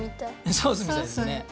ソースみたいですね。